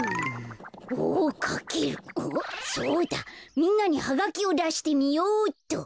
みんなにハガキをだしてみよっと。